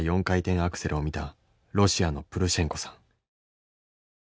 ４回転アクセルを見たロシアのプルシェンコさん。